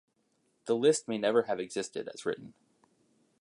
The list may never have existed as written.